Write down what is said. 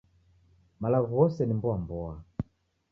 Malagho ghose ni mboa mboa.